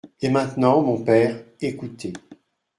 Et maintenant, mon père, écoutez…